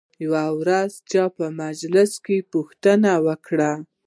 یوې ورځې چا په مجلس کې پوښتنه وکړه.